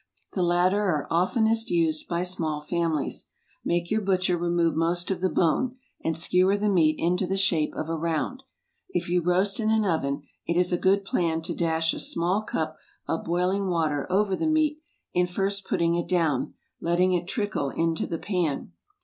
The latter are oftenest used by small families. Make your butcher remove most of the bone, and skewer the meat into the shape of a round. If you roast in an oven, it is a good plan to dash a small cup of boiling water over the meat in first putting it down, letting it trickle into the pan.